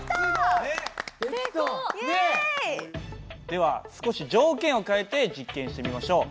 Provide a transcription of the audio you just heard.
では少し条件を変えて実験してみましょう。